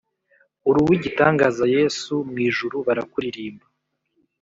Uruwigitangaza yesu mwijuru barakuririmba